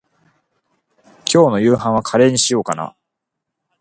今日の夕飯はカレーにしようかな。